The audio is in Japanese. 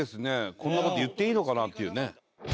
こんな事言っていいのかな？っていうね。